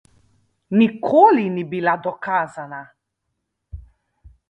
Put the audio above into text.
Nikoli ni bila dokazana.